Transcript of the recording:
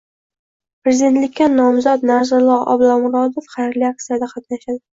Prezidentlikka nomzod Narzullo Oblomurodov xayrli aksiyada qatnashdi